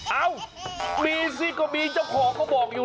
เอ้ามีสิก็มีเจ้าของเขาบอกอยู่